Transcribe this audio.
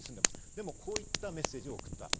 でもこういったメッセージを送った。